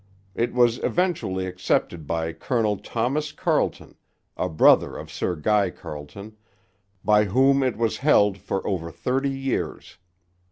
It was eventually accepted by Colonel Thomas Carleton, a brother of Sir Guy Carleton, by whom it was held for over thirty years.